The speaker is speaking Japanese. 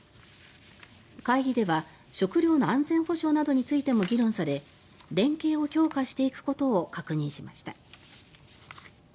会議では、食料の安全保障などについても議論され連携を強化していくことを確認しました。